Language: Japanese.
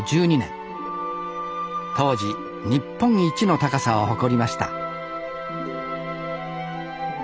当時日本一の高さを誇りました